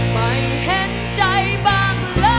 ไม่เห็นใจบ้างละ